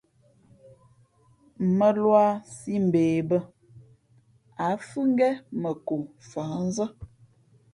Mᾱluā sī mbe bᾱ, ǎ fhʉ̄ ngén mα ko fαhnzᾱ.